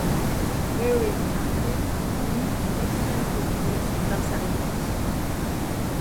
Harry Markel mit une extrême politesse dans sa réponse.